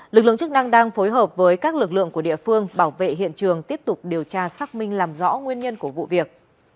lực lượng chức năng đang phối hợp với các lực lượng của địa phương bảo vệ hiện trường tiếp tục điều tra xác minh làm rõ nguyên nhân của vụ việc